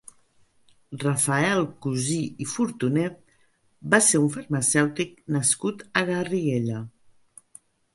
Rafael Cusí i Furtunet va ser un farmacèutic nascut a Garriguella.